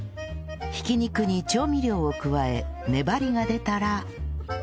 挽き肉に調味料を加え粘りが出たら